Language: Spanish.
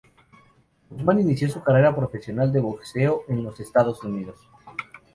Guzmán inició su carrera profesional de boxeo en los Estados Unidos.